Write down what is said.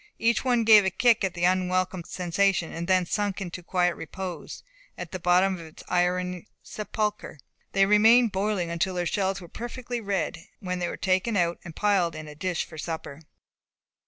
Each one gave a kick at the unwelcome sensation, and then sunk into quiet repose, at the bottom of its iron sepulchre. They remained boiling until their shells were perfectly red, when they were taken out, and piled in a dish for supper.